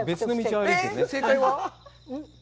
正解は？